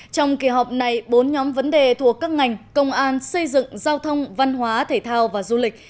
trong kỳ họp này bốn nhóm vấn đề thuộc các ngành công an xây dựng giao thông văn hóa thể thao và du lịch